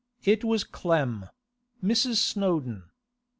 It was Clem—Mrs. Snowdon.